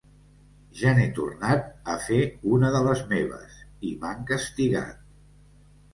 Ja n'he tornat a fer una de les meves i m'han castigat.